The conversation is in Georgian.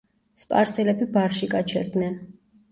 სპარსელები ბარში გაჩერდნენ.